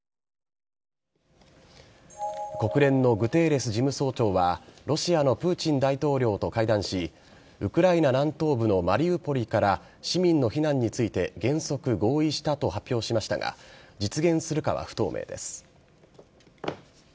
国連のグテーレス事務総長はロシアのプーチン大統領と会談しウクライナ南東部のマリウポリから市民の避難について原則合意したと発表しましたが実現するかは不透明です。